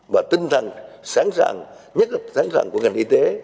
và tinh thần sẵn sàng nhất là sẵn sàng của ngành y tế